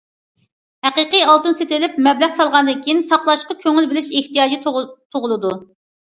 ھەقىقىي ئالتۇن سېتىۋېلىپ مەبلەغ سالغاندىن كېيىن، ساقلاشقا كۆڭۈل بۆلۈش ئېھتىياجى تۇغۇلىدۇ.